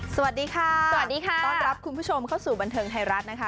สวัสดีค่ะสวัสดีค่ะต้อนรับคุณผู้ชมเข้าสู่บันเทิงไทยรัฐนะคะ